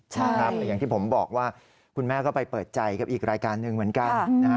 แต่อย่างที่ผมบอกว่าคุณแม่ก็ไปเปิดใจกับอีกรายการหนึ่งเหมือนกัน